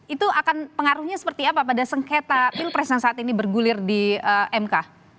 itu akan pengaruhnya seperti apa pada sengketa pilpres yang saat ini bergulir di mk